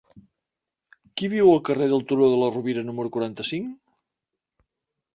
Qui viu al carrer del Turó de la Rovira número quaranta-cinc?